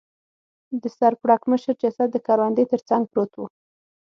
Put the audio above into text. د سر پړکمشر جسد د کروندې تر څنګ پروت و.